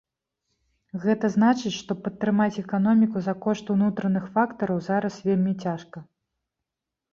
Гэта значыць, што падтрымаць эканоміку за кошт унутраных фактараў зараз вельмі цяжка.